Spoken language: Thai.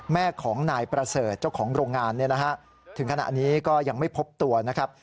แม่ของนายประเสริฐเจ้าของโรงงานถึงขณะนี้ก็ยังไม่พบตัวนะครับ